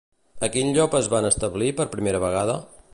A quin lloc es van establir per primera vegada?